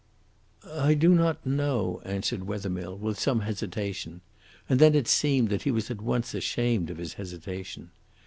"I do not know," answered Wethermill, with some hesitation, and then it seemed that he was at once ashamed of his hesitation.